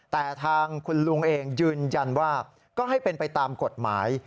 แต่ทางคุณลุงเองยืนยันว่าก็ให้เป็นไปตามกฎหมาย